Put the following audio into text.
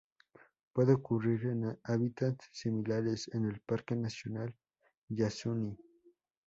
Puede ocurrir en hábitats similares en el Parque nacional Yasuní.